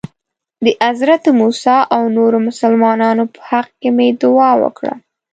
د حضرت موسی او نورو مسلمانانو په حق کې مې دعا وکړه.